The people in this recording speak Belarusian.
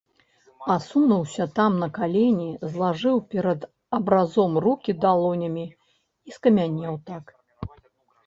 Асунуўся там на калені, злажыў перад абразом рукі далонямі і скамянеў так.